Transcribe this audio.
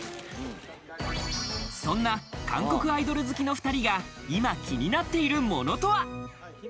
そんな韓国アイドル好きの２人が今気になっているものとは？